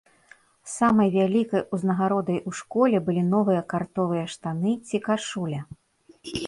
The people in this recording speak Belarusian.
Самай вялікай узнагародай у школе былі новыя картовыя штаны ці кашуля.